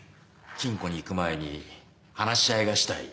「金庫に行く前に話し合いがしたい」。